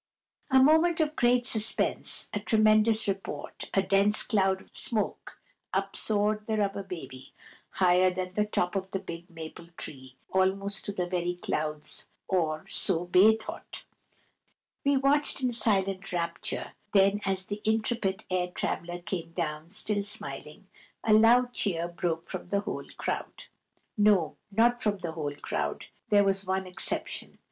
A moment of great suspense, a tremendous report, a dense cloud of smoke. Up soared the Rubber Baby, higher than the top of the big maple tree, almost to the very clouds (or so Bay thought). We watched in silent rapture; then, as the intrepid air traveller came down, still smiling, a loud cheer broke from the whole crowd. No, not from the whole crowd; there was one exception.